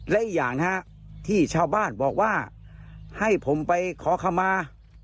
และอีกอย่างนะฮะที่ชาวบ้านบอกว่าให้ผมไปขอคำมา